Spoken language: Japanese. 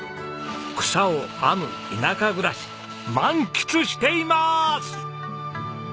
草を編む田舎暮らし満喫しています！